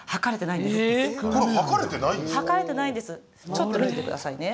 ちょっと見ててくださいね。